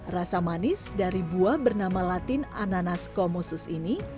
rasa manis dari buah bernama latin ananas comusus ini